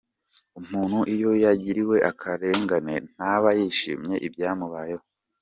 Umuntu iyo yagiriwe akarengane ntaba yishimiye ibyamubayeho.